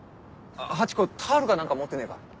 ハチ子タオルか何か持ってねえか？